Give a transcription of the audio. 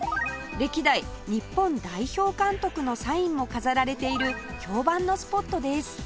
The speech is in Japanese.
歴代日本代表監督のサインも飾られている評判のスポットです